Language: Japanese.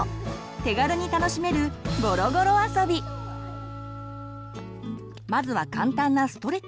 手軽に楽しめるまずは簡単なストレッチから。